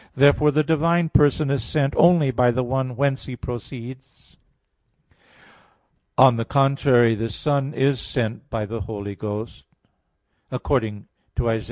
Therefore the divine person is sent only by the one whence He proceeds. On the contrary, The Son is sent by the Holy Ghost, according to Isa.